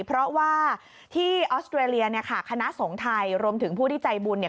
เพราะว่าที่ออสเตอเรียคณะสงทัยรวมถึงผู้ที่ใจบุญ